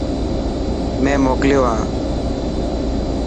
مين موڪليو هان.